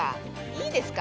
いいですか？